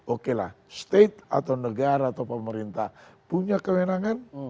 oke lah state atau negara atau pemerintah punya kewenangan